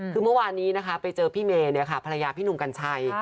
คือเมื่อวานนี้นะคะไปเจอพี่เมย์ภรรยาพี่หนุ่มกัญชัย